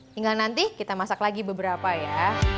tinggal nanti kita masak lagi beberapa ya